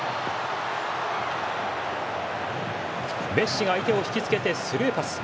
メッシが相手を引きつけてスルーパス。